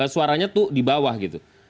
suaranya tuh di bawah gitu